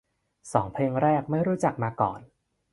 สองเพลงแรกไม่รู้จักมาก่อน